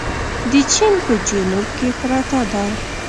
د چين په جنوب کې پرته ده.